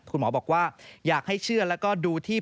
คุณหมอบอกว่าอยากให้เชื่อแล้วก็ดูที่